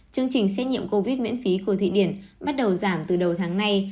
chương trình xét nghiệm covid miễn phí của thụy điển bắt đầu giảm từ đầu tháng nay